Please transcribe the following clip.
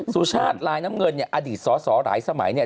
สุชาติลายน้ำเงินเนี่ยอดีตสอสอหลายสมัยเนี่ย